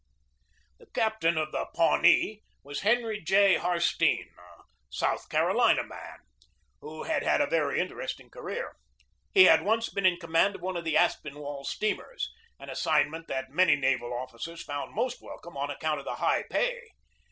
The captain of the Pawnee was Henry J. Har stene, a South Carolina man, who had had a very interesting career. He had once been in command of one of the Aspinwall steamers, an assignment that many naval officers found most welcome on account of the high pay.